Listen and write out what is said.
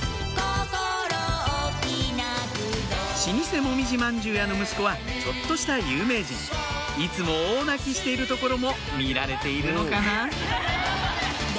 老舗もみじ饅頭屋の息子はちょっとした有名人いつも大泣きしているところも見られているのかな？